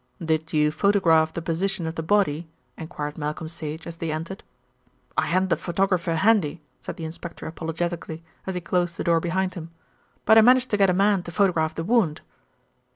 "Did you photograph the position of the body?" enquired Malcolm Sage, as they entered. "I hadn't a photographer handy," said the inspector apologetically, as he closed the door behind him; "but I managed to get a man to photograph the wound."